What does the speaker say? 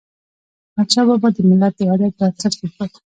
احمدشاه بابا د ملت د وحدت بنسټ کيښود.